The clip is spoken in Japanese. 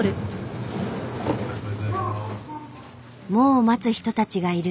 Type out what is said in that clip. もう待つ人たちがいる。